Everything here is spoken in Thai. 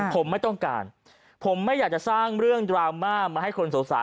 ผมไม่ต้องการผมไม่อยากจะสร้างเรื่องดราม่ามาให้คนสงสาร